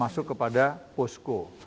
masuk kepada posko